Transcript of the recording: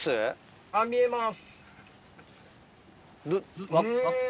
見えます？